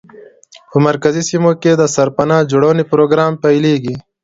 په مرکزي سیمو کې د سرپناه جوړونې پروګرام پیلېږي.